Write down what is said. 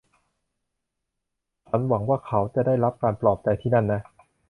ฉันหวังว่าเขาจะได้รับการปลอบใจที่นั่นนะ